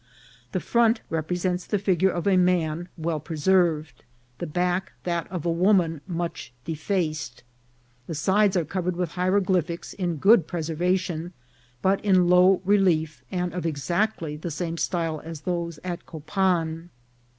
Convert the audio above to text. The front represents the figure of a man, well pre served ; the back that of a woman, much defaced. The sides are covered with hieroglyphics in good preserva tion, but in low relief, and of exactly the same style as those at Copan.